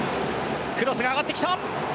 クロスが上がってきた。